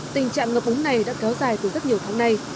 tình trạng ngập úng này đã kéo dài từ rất nhiều tháng nay